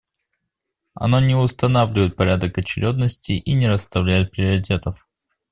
Оно не устанавливает порядок очередности и не расставляет приоритетов.